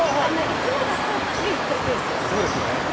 いつもだったら次、行ってるペースよ。